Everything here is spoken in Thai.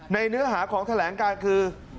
เนื้อหาของแถลงการคือ